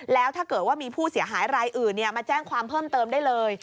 แล้วถ้าเกิดว่ามีผู้เสียหายรายอื่นมาแจ้งความเพิ่มเติมได้เลย